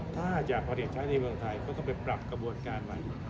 ถ้าจะผลิตใช้ในเมืองไทยก็ต้องไปปรับกระบวนการใหม่